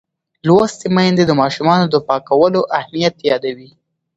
لوستې میندې د ماشومانو د پاکوالي اهمیت یادوي.